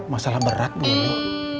masalah berat bu yoyo